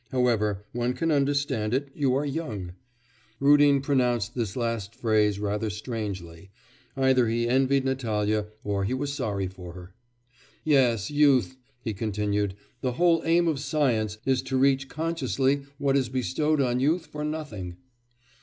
However, one can understand it; you are young.' Rudin pronounced this last phrase rather strangely; either he envied Natalya or he was sorry for her. 'Yes! youth!' he continued, 'the whole aim of science is to reach consciously what is bestowed on youth for nothing.